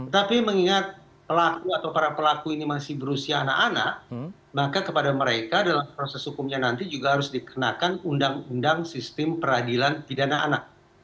tapi mengingat pelaku atau para pelaku ini masih berusia anak anak maka kepada mereka dalam proses hukumnya nanti juga harus dikenakan undang undang sistem peradilan pidana anak